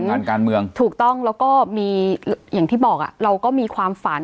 งานการเมืองถูกต้องแล้วก็มีอย่างที่บอกเราก็มีความฝัน